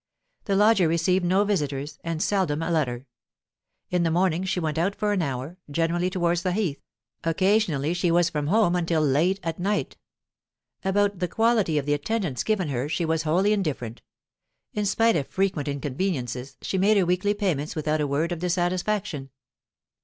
The lodger received no visitors, and seldom a letter. In the morning she went out for an hour, generally towards the heath; occasionally she was from home until late at night. About the quality of the attendance given her she was wholly indifferent; in spite of frequent inconveniences, she made her weekly payments without a word of dissatisfaction.